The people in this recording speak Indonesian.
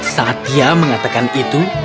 satya mengatakan itu